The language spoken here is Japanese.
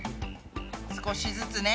少しずつね。